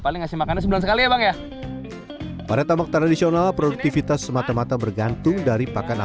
paling kasih makanan sembilan sekali ya bang ya pada tambak tradisional produktivitas semata mata